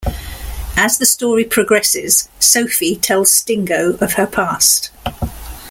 As the story progresses, Sophie tells Stingo of her past.